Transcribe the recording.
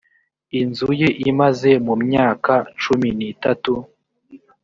inzu ye imaze mu myaka cumi n’itatu